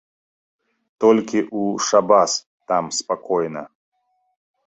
Толькі ў шабас там спакойна.